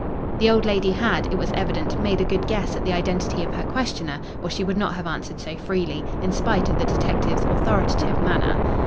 The old lady had, it was evident, made a good guess at the identity of her questioner or she would not have answered so freely, in spite of the detective's authoritative manner.